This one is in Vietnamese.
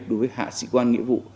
đối với hạ sĩ quan nghĩa vụ